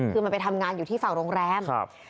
คือมันไปทำงานอยู่ที่ฝั่งโรงแรม